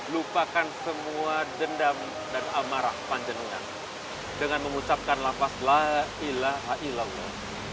lupakan semua dendam dan amarah panjenangan dengan mengucapkan lafazla ilaha illallah